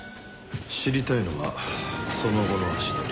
知りたいのはその後の足取り。